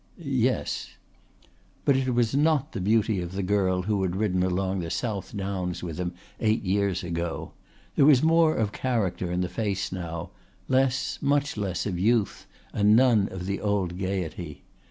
"Yes." But it was not the beauty of the girl who had ridden along the South Downs with him eight years ago. There was more of character in the face now, less, much less, of youth and none of the old gaiety.